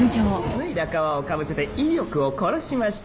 脱いだ皮をかぶせて威力を殺しました